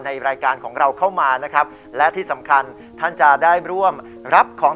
รายการของเราเข้ามานะครับและที่สำคัญท่านจะได้ร่วมรับของ